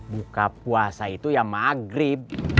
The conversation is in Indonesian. buka puasa itu ya maghrib